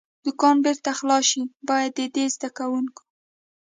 دوکان بېرته خلاص شي، باید د دې زده کوونکو.